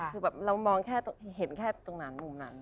คือแบบเรามองแค่เห็นแค่ตรงนั้นมุมนั้น